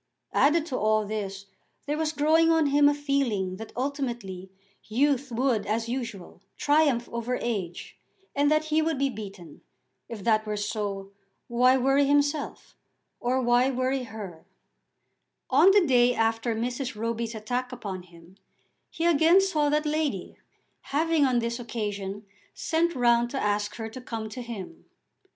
Added to all this there was growing on him a feeling that ultimately youth would as usual triumph over age, and that he would be beaten. If that were so, why worry himself, or why worry her? On the day after Mrs. Roby's attack upon him he again saw that lady, having on this occasion sent round to ask her to come to him.